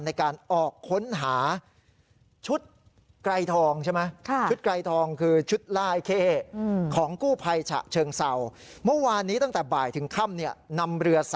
ในการออกค้นหาชุดไกรทองใช่ไหม